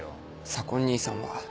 左紺兄さんは。